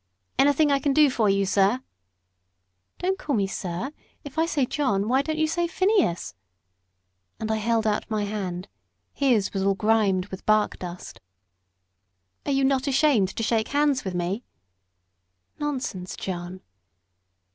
"Anything I can do for you, sir?" "Don't call me 'sir'; if I say 'John,' why don't you say 'Phineas'?" And I held out my hand his was all grimed with bark dust. "Are you not ashamed to shake hands with me?" "Nonsense, John."